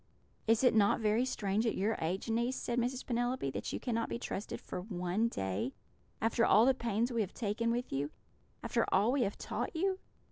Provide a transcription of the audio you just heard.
"'Is it not very strange at your age, niece,' said Mrs. Penelope, 'that you cannot be trusted for one day, after all the pains we have taken with you, after all we have taught you?'